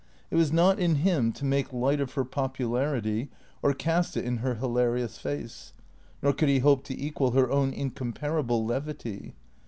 It was not in him to make light of her popularity, or cast ij; in her hilarious face. Nor could he hope to equal her own incomparable levity.